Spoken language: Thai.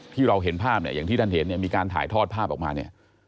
ที่เราเห็นภาพเนี่ยอย่างที่ท่านเห็นเนี่ยมีการถ่ายทอดภาพออกมาเนี่ย